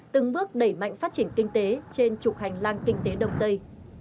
từng bước đẩy mạnh phát triển kinh tế trên trục hành lang kinh tế đông tây